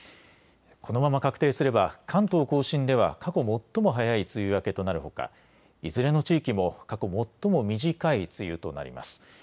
このまま確定すれば関東甲信では過去最も早い梅雨明けとなるほかいずれの地域も過去最も短い梅雨となります。